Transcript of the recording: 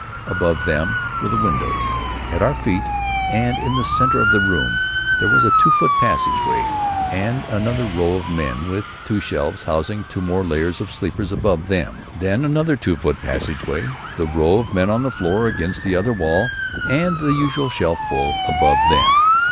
Above them were the windows. At our feet and in the centre of the room, there was a two foot passage way and then another row of men, with two shelves housing two more layers of sleepers above them. Then another two foot passageway, the row of men on the floor against the other wall and the usual shelf full above them.